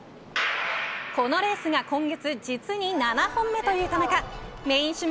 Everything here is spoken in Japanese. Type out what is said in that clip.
このレースが今月実に７本目という田中。